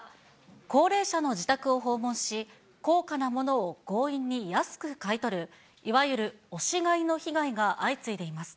高齢者の自宅を訪問し、高価なものを強引に安く買い取る、いわゆる押し買いの被害が相次いでいます。